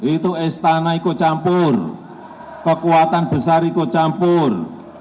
itu istana ikut campur kekuatan besar ikut campur